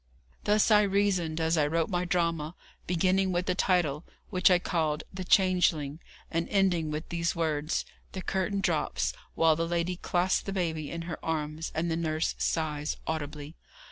"] Thus I reasoned as I wrote my drama, beginning with the title, which I called 'The Changeling,' and ending with these words: 'The curtain drops, while the lady clasps the baby in her arms, and the nurse sighs audibly.'